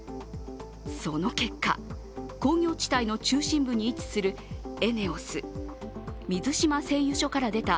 その結果、工業地帯の中心部に位置するエネオス水島製油所から出た